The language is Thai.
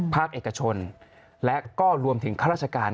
ภาคเอกชนและก็รวมถึงข้าราชการ